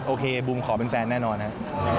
โอเคบุมขอเป็นแฟนแน่นอนครับ